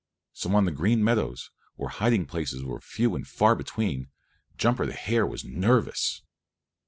So on the Green Meadows, where hiding places were few and far between, Jumper the Hare was nervous.